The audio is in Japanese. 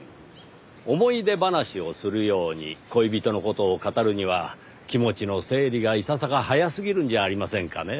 思い出話をするように恋人の事を語るには気持ちの整理がいささか早すぎるんじゃありませんかねぇ。